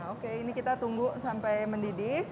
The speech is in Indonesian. oke ini kita tunggu sampai mendidih